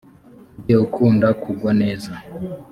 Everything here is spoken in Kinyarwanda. ujye ukunda kugwa neza